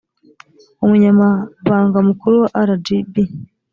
umunyamabanga mukuru wa rgb